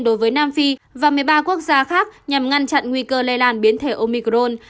đối với nam phi và một mươi ba quốc gia khác nhằm ngăn chặn nguy cơ lây lan biến thể omicron